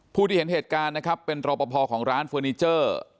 ผู้ที่เห็นเหตุการณ์นะครับเป็นรอปภของร้านเฟอร์นิเจอร์